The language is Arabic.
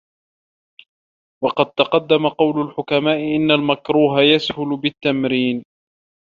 وَقَدْ تَقَدَّمَ قَوْلُ الْحُكَمَاءِ إنَّ الْمَكْرُوهَ يَسْهُلُ بِالتَّمْرِينِ